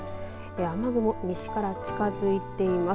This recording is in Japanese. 雨雲、西から近づいています。